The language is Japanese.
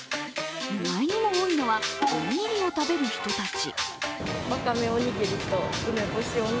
意外にも多いのはおにぎりを食べる人たち。